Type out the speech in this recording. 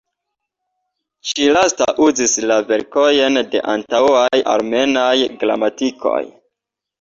Ĉi-lasta uzis la verkojn de antaŭaj armenaj gramatikoj.